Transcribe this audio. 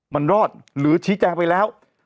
มันรอดหรือชี้แจงไปแล้ว